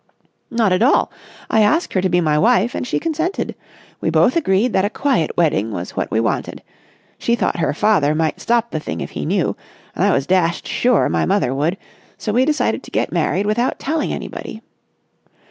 "Not at all! I asked her to be my wife and she consented. We both agreed that a quiet wedding was what we wanted—she thought her father might stop the thing if he knew, and I was dashed sure my mother would—so we decided to get married without telling anybody.